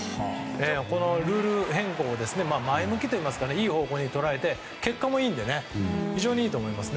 このルール変更を前向きといいますかいい方向に捉えて結果もいいので非常にいいと思います。